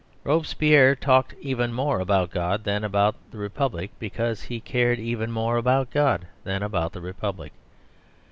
Robespierre talked even more about God than about the Republic because he cared even more about God than about the Republic.